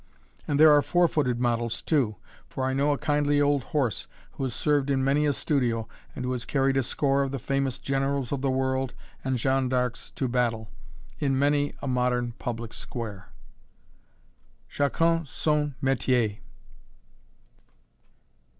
And there are four footed models, too, for I know a kindly old horse who has served in many a studio and who has carried a score of the famous generals of the world and Jeanne d'Arcs to battle in many a modern public square. Chacun son métier!